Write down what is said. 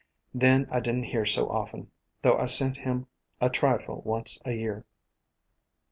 Then I did n't hear so often, though I sent him a trifle once a year.